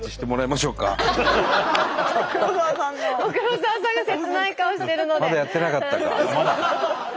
まだやってなかったか。